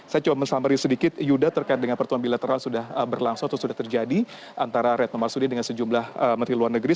saya coba men summary sedikit yuda terkait dengan pertemuan bilateral sudah berlangsung atau sudah terjadi antara retno marsudi dengan sejumlah menteri luar negeri